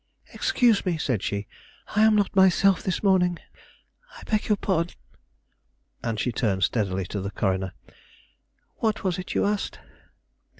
"Excuse me," said she; "I am not myself this morning. I beg your pardon," and she turned steadily to the coroner. "What was it you asked?"